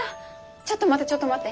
ちょっと待ってちょっと待って。